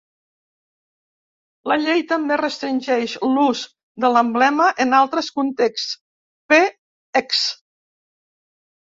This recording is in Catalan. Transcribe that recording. La llei també restringeix l'ús de l'emblema en altres contexts, p. ex.